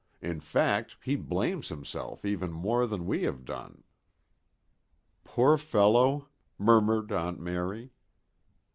In fact, he blames himself even more than we have done." "Poor fellow," murmured Aunt Mary.